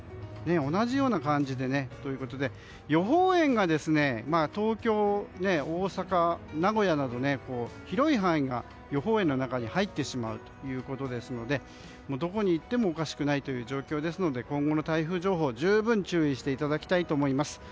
同じような感じということで東京、大阪、名古屋など広い範囲が予報円の中に入ってしまうということですのでどこに行ってもおかしくないという状況ですので今後の台風情報に十分注意していただきたいと思います。